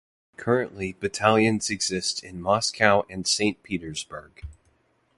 Currently battalions exist in Moscow and Saint Petersburg.